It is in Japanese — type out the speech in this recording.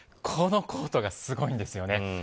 このコートがすごいんですよね。